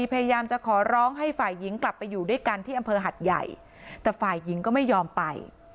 พยายามจะขอร้องให้ฝ่ายหญิงกลับไปอยู่ด้วยกันที่อำเภอหัดใหญ่แต่ฝ่ายหญิงก็ไม่ยอมไป